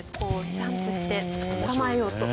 ジャンプして捕まえようと。